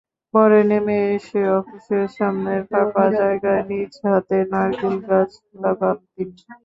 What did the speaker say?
পরে নেমে এসে অফিসের সামনের ফাঁকা জায়গায় নিজ হাতে নারকেলগাছ লাগান তিনি।